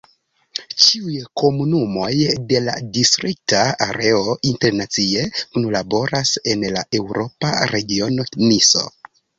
Ĉiuj komunumoj de la distrikta areo internacie kunlaboras en la eŭropa regiono Niso.